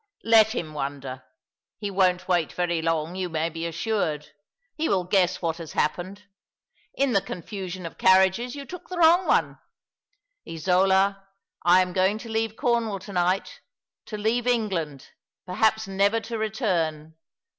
" Let him wonder. He won't wait very long, you may be assured. He will guess what has happened. In the con fusion of carriages you took the wrong one. Isola, I am going to leave Cornwall to night— to leave England— perhaps never to return.